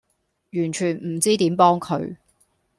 完全唔知點幫佢